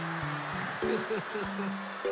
フフフフ。